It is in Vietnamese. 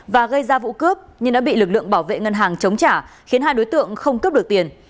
và gây ra vụ cướp nhưng đã bị lực lượng bảo vệ ngân hàng chống trả khiến hai đối tượng không cướp được tiền